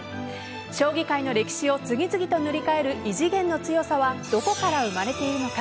将棋界の歴史を次々と塗り替える異次元の強さはどこから生まれているのか。